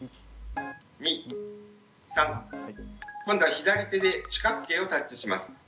今度は左手で四角形をタッチします。